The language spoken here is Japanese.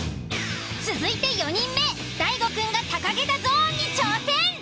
続いて４人目大悟くんが高下駄ゾーンに挑戦！